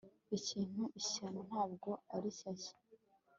Ikintu ishyano ntabwo ari shyashya